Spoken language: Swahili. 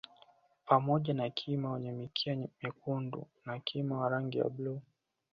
Pamoja na Kima wenye mikia myekundu na kima wa rangi ya bluu